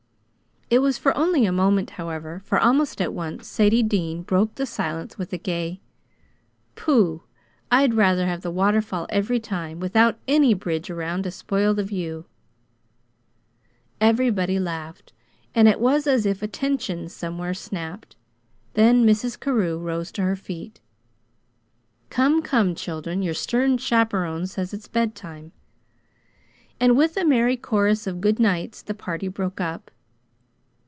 It was for only a moment, however, for almost at once Sadie Dean broke the silence with a gay: "Pooh! I'd rather have the waterfall every time, without ANY bridge around to spoil the view!" Everybody laughed and it was as if a tension somewhere snapped. Then Mrs. Carew rose to her feet. "Come, come, children, your stern chaperon says it's bedtime!" And with a merry chorus of good nights the party broke up.